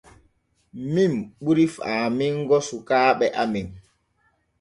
Min ɓuri faamango sukaaɓe amen.